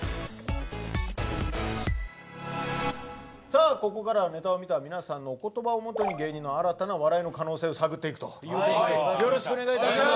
さあここからはネタを見たみなさんのお言葉をもとに芸人の新たな笑いの可能性を探っていくということでよろしくお願いいたします。